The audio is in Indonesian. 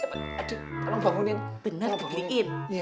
adik tolong bangunin